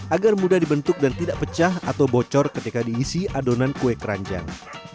agar mudah dibentuk dan tidak pecah atau bocor ketika diisi adonan kue keranjang